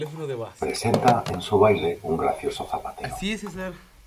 Presenta en su baile un gracioso zapateo.